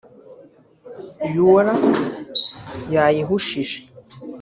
Youla yayihushije